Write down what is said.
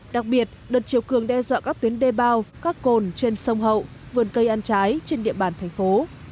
đặc biệt đợt chiều cường đe dọa các tuyến đê bao các cồn trên sông hậu vườn cây ăn trái trên địa bàn thành phố